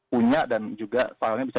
punya dan juga file nya bisa